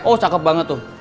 oh cakep banget tuh